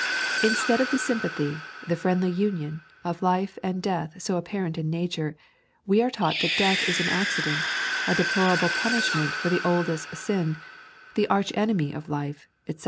Instead of the sym pathy, the friendly union, of life and death so apparent in Nature, we are taught that death is an accident, a deplorable punishment for the oldest sin, the arch enemy of life, etc.